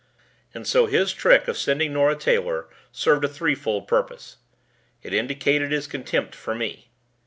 And so his trick of sending Nora Taylor served a threefold purpose. It indicated his contempt for me.